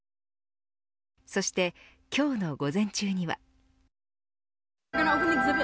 そして、今日の午前中には。